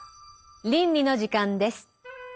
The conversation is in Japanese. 倫理の時間です。